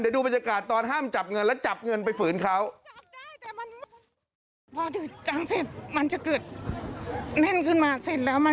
ดูบรรยากาศตอนห้ามจับเงินแล้วจับเงินไปฝืนเขา